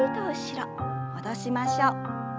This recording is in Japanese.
戻しましょう。